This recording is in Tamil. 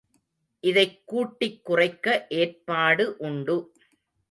இதைக் கூட்டிக் குறைக்க ஏற்பாடு உண்டு.